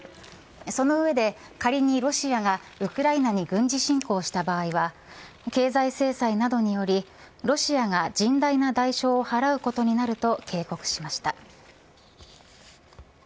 その上で、仮にロシアがウクライナに軍事侵攻した場合は経済制裁などによりロシアが甚大な代償を払うことになると警告しました。